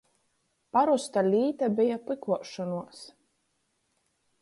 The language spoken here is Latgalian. Parosta līta beja pykuošonuos.